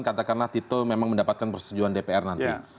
katakanlah tito memang mendapatkan persetujuan dpr nanti